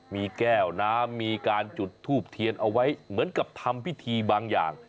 มีแก้วน้ำมีการจุดทูบเทียนเอาไว้เหมือนกับทำพิธีบางอย่าง